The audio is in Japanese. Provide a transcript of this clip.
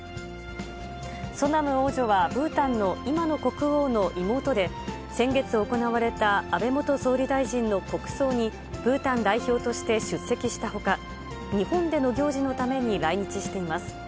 ソナム王女は、ブータンの今の国王の妹で、先月行われた安倍元総理大臣の国葬に、ブータン代表として出席したほか、日本での行事のために来日しています。